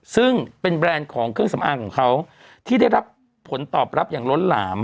ซึ่งเป็นแบรนด์ของเครื่องสำอางของเขาที่ได้รับผลตอบรับอย่างล้นหลาม